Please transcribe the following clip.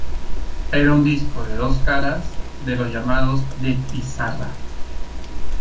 Era un disco de dos caras, de los llamados 'de pizarra'.